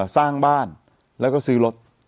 สร้างบ้านแล้วก็ซื้อรถ